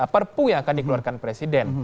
perpu yang akan dikeluarkan presiden